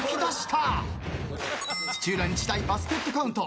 土浦日大バスケットカウント。